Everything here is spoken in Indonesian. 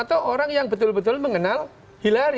atau orang yang betul betul mengenal hillary